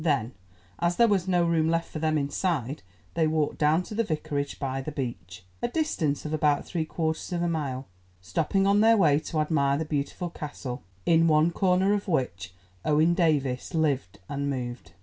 Then, as there was no room left for them inside, they walked down to the Vicarage by the beach, a distance of about three quarters of a mile, stopping on their way to admire the beautiful castle, in one corner of which Owen Davies lived and moved.